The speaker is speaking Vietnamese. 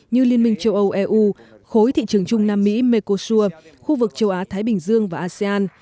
như liên minh châu âu eu khối thị trường trung nam mỹ mekosur khu vực châu á thái bình dương và asean